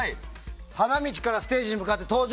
花道からステージに向かって登場。